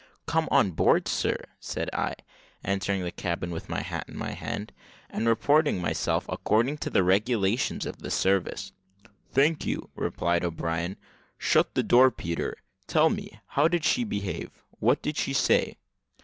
"Come on board, sir," said I, entering the cabin with my hat in my hand, and reporting myself according to the regulations of the service. "Thank you," replied O'Brien: "shut the door, Peter. Tell me, how did she behave? what did she say?"